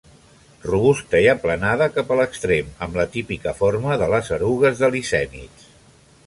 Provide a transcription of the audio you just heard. Robusta i aplanada cap a l'extrem, amb la típica forma de les erugues de licènids.